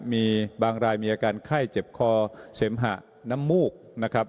มีบางรายมีอาการไข้เจ็บคอเสมหะน้ำมูกนะครับ